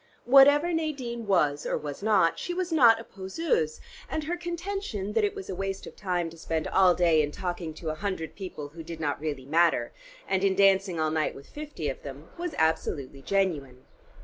Whatever Nadine was or was not, she was not a poseuse, and her contention that it was a waste of time to spend all day in talking to a hundred people who did not really matter, and in dancing all night with fifty of them, was absolutely genuine.